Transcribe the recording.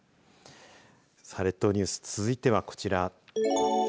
さあ列島ニュース続いてはこちら。